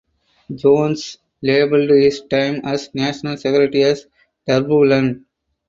Jones labelled his time as National Secretary as "turbulent".